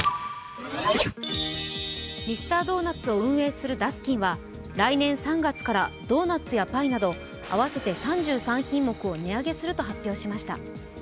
ミスタードーナツを運営するダスキンは来年３月からドーナツやパイなど合わせて３３品目を値上げすると発表しました。